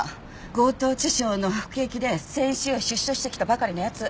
強盗致傷の服役で先週出所してきたばかりの奴。